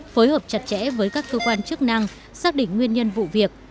phối hợp chặt chẽ với các cơ quan chức năng xác định nguyên nhân vụ việc